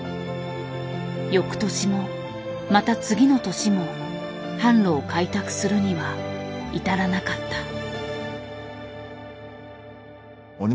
よくとしもまた次の年も販路を開拓するには至らなかった。